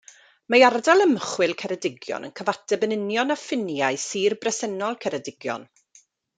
Mae Ardal Ymchwil Ceredigion yn cyfateb yn union â ffiniau sir bresennol Ceredigion.